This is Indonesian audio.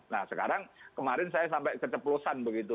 nah sekarang kemarin saya sampai keceplosan begitu